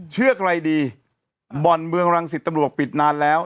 เชื่อใกล้ดีเราบ่นเมืองรังสิตตะลุปรับปิดนานแล้ว